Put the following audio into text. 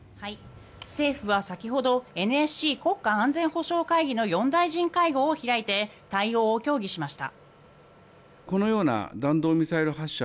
政府は先ほどＮＳＣ・国家安全保障会議の４大臣会合を開いて対応を協議しました。